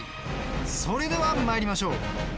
それでは参りましょう。